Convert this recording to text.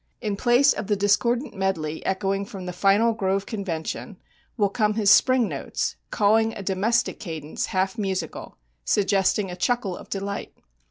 In place of the discordant medley echoing from the final grove convention will come his spring notes, cawing a domestic cadence half musical, suggesting a chuckle of delight.